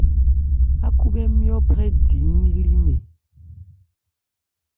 Ákhúbhɛ́ nmyɔ́ phrɛ di nnili nmɛ́n.